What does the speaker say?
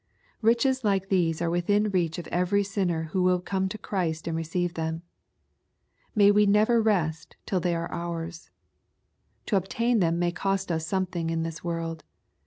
Kiches like these are within reach of every sinner who will come to Christ and receive them. May we never rest till they are ours I To obtain them may cost us something in this world.